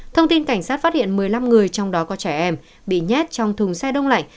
thông tin cảnh sát phát hiện một mươi năm người trong đó có trẻ em bị nhét trong thùng xe đông lạnh